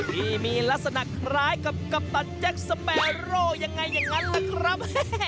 ที่มีลักษณะคล้ายกับกัปตันแจ็คสเปโร่ยังไงอย่างนั้นล่ะครับ